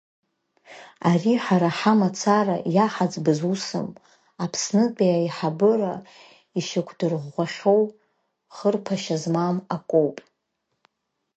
Ари ҳара ҳамацара иаҳаӡбыз усым, Аԥснытәи аиҳабыра ишьақәдырӷәӷәахьоу хырԥашьа змам акоуп.